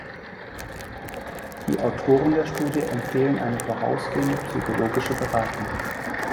Die Autoren der Studie empfehlen eine vorausgehende psychologische Beratung.